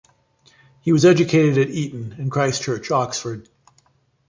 He was educated at Eton and Christ Church, Oxford.